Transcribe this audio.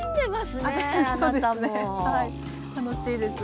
はい楽しいです。